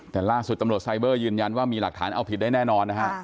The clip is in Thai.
แต่ล่าสุดตำรวจไซเบอร์ยืนยันว่ามีหลักฐานเอาผิดได้แน่นอนนะฮะ